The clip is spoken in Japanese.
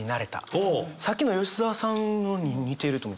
さっきの吉澤さんのに似てると思って。